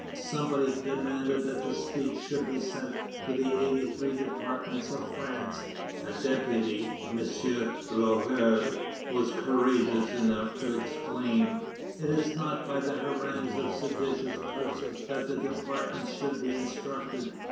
Somebody demanded that the speech should be sent to the eighty three departments of France. A deputy, M. Rouher, was courageous enough to exclaim: "It is not by the harangues of seditious persons that the departments should be instructed!"